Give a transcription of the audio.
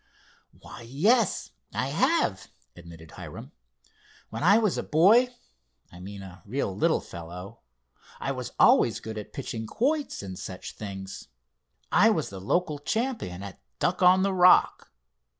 "Why, yes, I have," admitted Hiram. "When I was a boy—I mean a real little fellow—I was always good at pitching quoits, and such things. I was the local champion at 'Duck on the Rock.